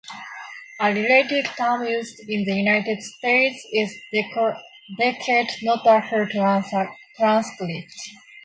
A related term used in the United States is docket, not a full transcript.